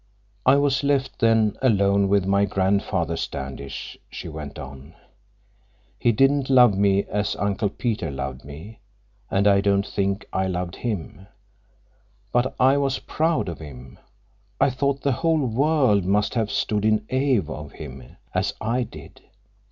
"I was left, then, alone with my Grandfather Standish," she went on. "He didn't love me as my Uncle Peter loved me, and I don't think I loved him. But I was proud of him. I thought the whole world must have stood in awe of him, as I did.